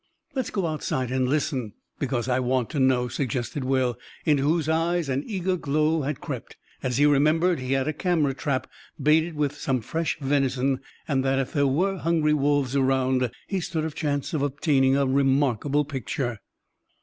"Let's go outside and listen, because I want to know," suggested Will, into whose eyes an eager glow had crept, as he remembered he had a camera trap baited with some fresh venison and that if there were hungry wolves around he stood a chance of obtaining a remarkable picture.